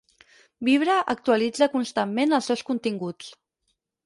Vibra actualitza constantment els seus continguts.